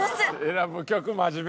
選ぶ曲真面目！